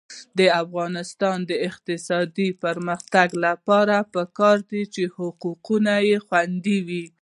د افغانستان د اقتصادي پرمختګ لپاره پکار ده چې حقوق خوندي وي.